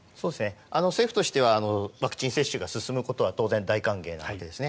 政府としてはワクチン接種が進むことは当然、大歓迎なわけですね。